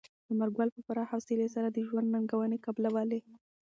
ثمر ګل په پوره حوصلې سره د ژوند ننګونې قبلولې.